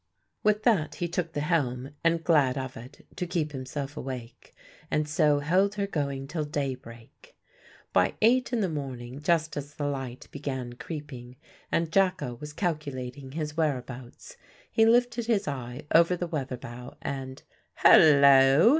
With that he took the helm, and glad of it, to keep himself awake; and so held her going till daybreak. By eight in the morning, just as the light began creeping, and Jacka was calculating his whereabouts, he lifted his eye over the weather bow, and "Hullo!"